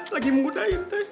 lagi muda intek